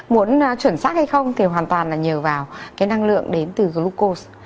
muốn chuẩn xác hay không thì hoàn toàn là nhờ vào cái năng lượng đến từ groco